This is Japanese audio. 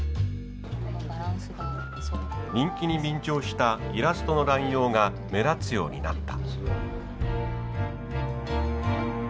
人気に便乗したイラストの乱用が目立つようになった。